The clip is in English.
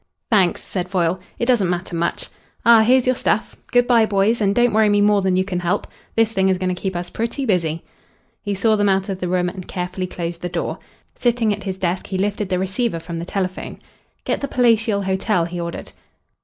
"Thanks," said Foyle; "it doesn't matter much. Ah, here's your stuff. Good bye, boys, and don't worry me more than you can help. This thing is going to keep us pretty busy." He saw them out of the room and carefully closed the door. Sitting at his desk he lifted the receiver from the telephone. "Get the Palatial Hotel," he ordered.